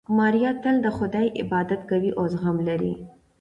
ماریا تل د خدای عبادت کوي او زغم لري.